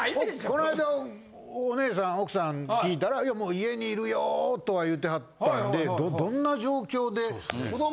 この間お姉さん奥さんに聞いたら「いやもう家にいるよ」とは言うてはったんでどんな状況でそう。